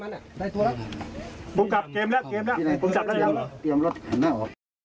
เดี๋ยวคนจะแตกซึ่งผมกลับผมกลับผมกลับเกมแล้วเกมแล้วผมจับได้แล้ว